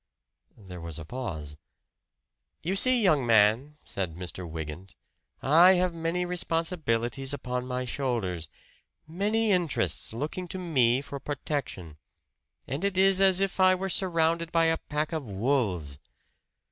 There was a pause. "You see, young man," said Mr. Wygant, "I have many responsibilities upon my shoulders many interests looking to me for protection. And it is as if I were surrounded by a pack of wolves."